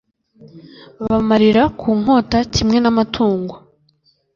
babamarira ku nkota kimwe n'amatungo